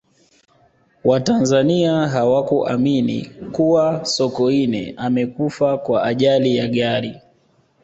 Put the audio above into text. watanzania hawakuamini kuwa sokoine amekufa kwa ajali ya gari